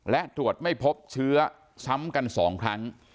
และตรวจไม่พบเชื้อซ้ำกัน๒ครั้ง